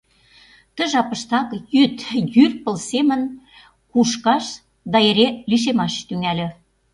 Ты жапыштак йӱд, йӱр пыл семын, кушкаш да эре лишемаш тӱҥале;